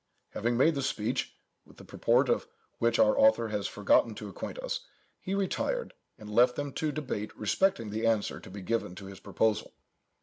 Having made the speech, with the purport of which our author has forgotten to acquaint us, he retired, and left them to debate respecting the answer to be given to his proposal.